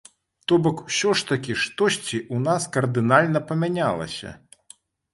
То бок усё ж такі штосьці ў нас кардынальна памянялася.